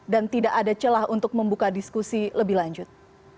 dan tidak ada celah untuk membuka diskusi lebih lanjut